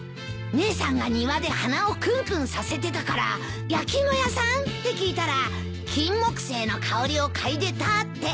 姉さんが庭で鼻をクンクンさせてたから焼き芋屋さん？って聞いたらキンモクセイの香りを嗅いでたって。